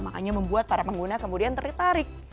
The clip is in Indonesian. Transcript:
makanya membuat para pengguna kemudian tertarik